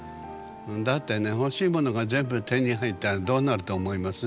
だってね欲しいものが全部手に入ったらどうなると思います？